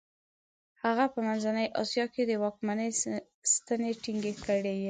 هغه په منځنۍ اسیا کې د واکمنۍ ستنې ټینګې کړې.